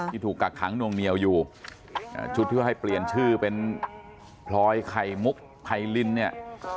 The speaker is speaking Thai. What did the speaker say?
ถูกกักขังนวงเหนียวอยู่ชุดที่เขาให้เปลี่ยนชื่อเป็นพลอยไข่มุกไพรินเนี่ย